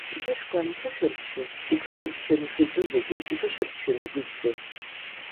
Иқьышәқәа анԥышәарччоз, иԥышәарччон ихы-иҿы зегьы, иԥышәарччон игәы-иԥсы.